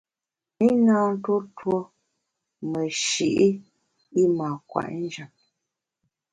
I na ntuo tuo meshi’ i mâ kwet njap.